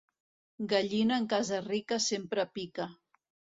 Gallina en casa rica sempre pica.